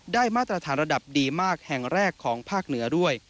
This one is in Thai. มาตรฐานระดับดีมากแห่งแรกของภาคเหนือด้วย